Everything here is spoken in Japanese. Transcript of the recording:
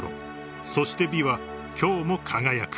［そして美は今日も輝く］